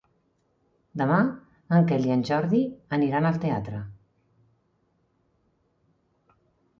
Demà en Quel i en Jordi aniran al teatre.